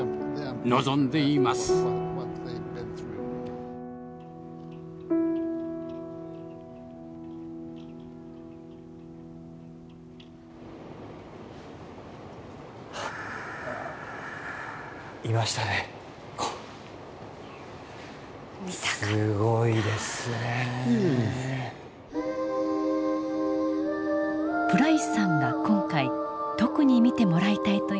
プライスさんが今回特に見てもらいたいというのがこの絵。